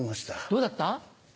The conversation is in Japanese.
どうだった？